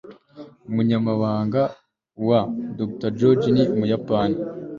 umunyamabanga wa dr. georges ni umuyapani